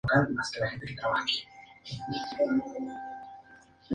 Las runas se escribían normalmente en los bordes de pequeñas piezas de madera.